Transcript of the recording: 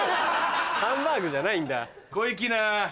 ハンバーグじゃないんだ。